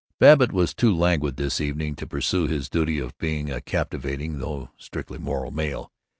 Babbitt was too languid this evening to pursue his duty of being a captivating (though strictly moral) male.